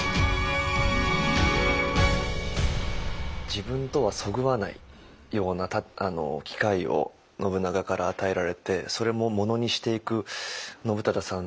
自分とはそぐわないような機会を信長から与えられてそれもものにしていく信忠さん